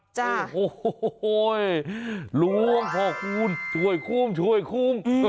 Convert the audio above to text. โอ้โหหลวงพ่อคูณช่วยคุ้ม